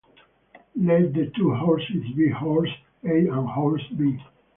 Let the two horses be horse A and horse B.